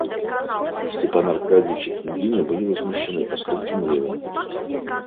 Степан Аркадьич и княгиня были возмущены поступком Левина.